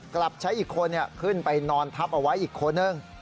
กลับใช้อีกคนขึ้นไปนอนทับเอาไว้อีกคนนึง